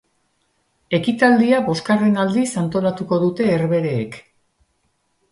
Ekitaldia bosgarren aldiz antolatuko dute Herbehereek.